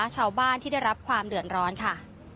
ชาวบ้านที่ได้รับความเดือดร้อนค่ะ